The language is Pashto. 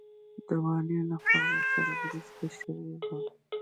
د والي لخوا ورسره مرسته شوې وه.